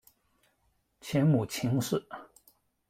前母秦氏。